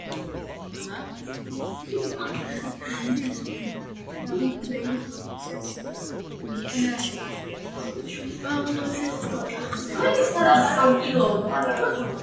The play focuses on Emperor Ibrahim and his rape of Morena.